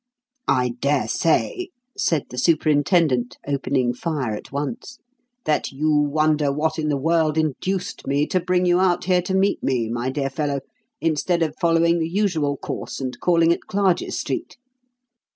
"I dare say," said the superintendent, opening fire at once, "that you wonder what in the world induced me to bring you out here to meet me, my dear fellow, instead of following the usual course and calling at Clarges Street?